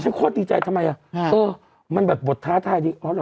โคตรดีใจทำไมอ่ะเออมันแบบบทท้าทายดีอ๋อเหรอ